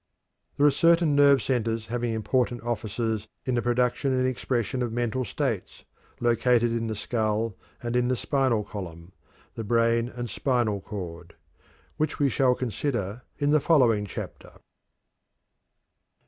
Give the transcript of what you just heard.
There are certain nerve centers having important offices in the production and expression of mental states, located in the skull and in the spinal column the brain and the spinal cord which we shall consider in the following chapter.